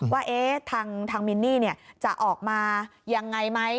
ว่าทางมินนี่จะออกมายังไงไหม